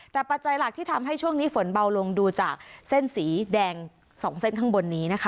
แต่ปัจจัยหลักที่ทำให้ช่วงนี้ฝนเบาลงดูจากเส้นสีแดง๒เส้นข้างบนนี้นะคะ